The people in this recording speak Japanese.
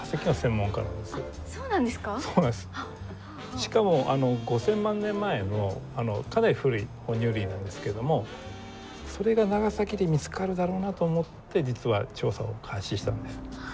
しかも５，０００万年前のかなり古い哺乳類なんですけれどもそれが長崎で見つかるだろうなと思って実は調査を開始したんです。